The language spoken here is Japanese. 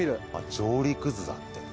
上陸図だって。